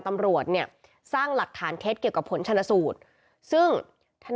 ตำรวจเนี่ยสร้างหลักฐานเท็จเกี่ยวกับผลชนสูตรซึ่งท่าน